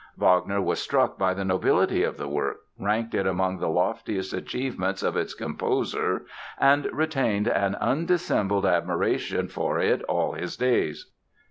Wagner was struck by the nobility of the work, ranked it among the loftiest achievements of its composer and retained an undissembled admiration for it all his days.